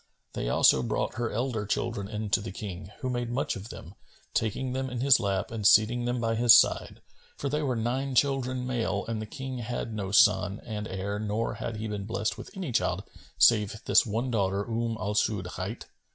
They also brought her elder children in to the King who made much of them, taking them in his lap and seating them by his side; for they were nine children male and the King had no son and heir nor had he been blessed with any child save this one daughter, Umm al Su'ud hight.